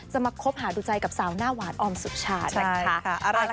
มาคบหาดูใจกับสาวหน้าหวานออมสุชานะคะ